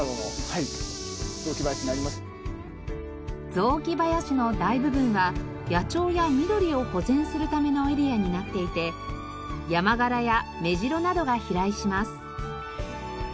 雑木林の大部分は野鳥や緑を保全するためのエリアになっていてヤマガラやメジロなどが飛来します。